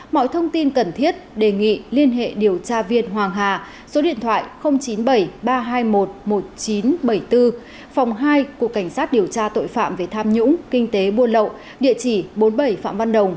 mọi thông tin cần thiết đề nghị liên hệ điều tra viên hoàng hà số điện thoại chín mươi bảy ba trăm hai mươi một một nghìn chín trăm bảy mươi bốn phòng hai của cảnh sát điều tra tội phạm về tham nhũng kinh tế buôn lậu địa chỉ bốn mươi bảy phạm văn đồng